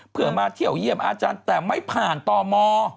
เพื่อมาเที่ยวเยี่ยมอาจารย์แต่ไม่ผ่านตม